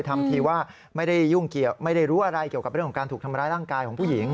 ทำทีว่าไม่ได้รู้อะไรเกี่ยวกับเรื่องของการถูกทำร้ายร่างกายของผู้หญิง